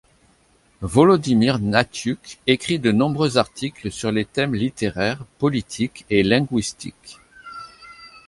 Volodymyr Hnatiuk écrit de nombreux articles sur les thèmes littéraires, politiques et linguistiques.